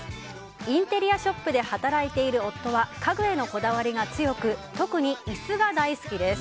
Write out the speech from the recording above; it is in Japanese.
インテリアショップで働いている夫は家具へのこだわりが強く特に、椅子が大好きです。